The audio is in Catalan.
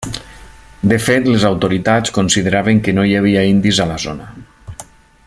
De fet, les autoritats consideraven que no hi havia indis a la zona.